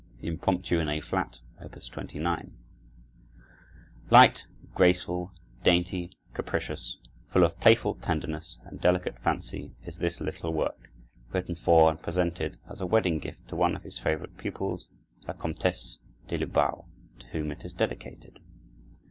Chopin: Impromptu in A Flat, Op. 29 Light, graceful, dainty, capricious, full of playful tenderness and delicate fancy is this little work, written for and presented as a wedding gift to one of his favorite pupils, La Comtesse de Lobau, to whom it is dedicated.